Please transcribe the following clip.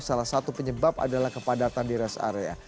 salah satu penyebab adalah kepadatan di rest area